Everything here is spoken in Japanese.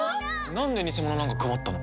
なんで偽物なんか配ったの？